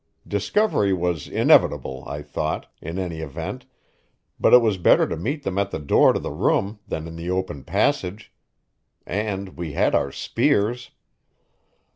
Discovery was inevitable, I thought, in any event, but it was better to meet them at the door to the room than in the open passage. And we had our spears.